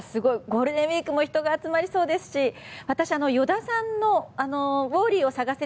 ゴールデンウィークも人が集まりそうですし私は依田さんのウォーリーを探せ！